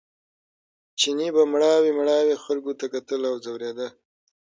چیني به مړاوي مړاوي خلکو ته کتل او ځورېده.